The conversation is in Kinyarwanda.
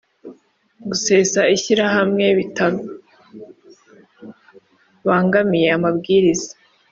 Gusesa ishyirahamwe bitabangamiye amabwiriza